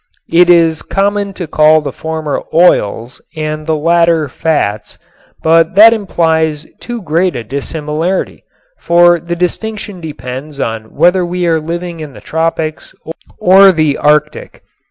It is common to call the former "oils" and the latter "fats," but that implies too great a dissimilarity, for the distinction depends on whether we are living in the tropics or the arctic.